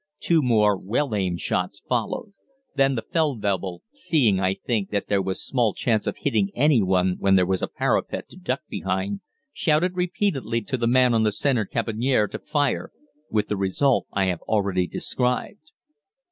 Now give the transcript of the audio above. Two more well aimed shots followed; then the Feldwebel, seeing, I think, that there was small chance of hitting any one when there was a parapet to duck behind, shouted repeatedly to the man on the center "caponnière" to fire, with the result I have already described.